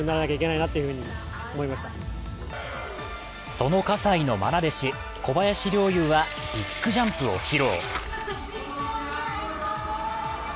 その葛西のまな弟子小林陵侑はビッグジャンプを披露。